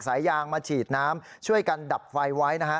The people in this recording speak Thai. สายยางมาฉีดน้ำช่วยกันดับไฟไว้นะฮะ